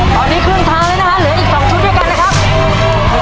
ตอนนี้ครึ่งทางแล้วนะฮะเหลืออีก๒ชุดด้วยกันนะครับ